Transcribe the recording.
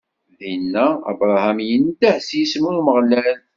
Dinna, Abṛaham indeh s yisem n Umeɣlal.